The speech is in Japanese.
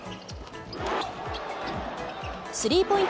スリーポイント